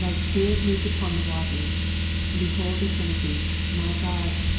Spirit moved upon the ivaters. Behold the Trinity, my God B.